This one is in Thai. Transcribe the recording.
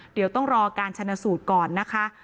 เดี๋ยวต้องรอการชนะสูตรก่อนนะคะ